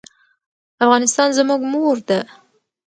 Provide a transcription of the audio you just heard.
افغانستان زموږ مور ده.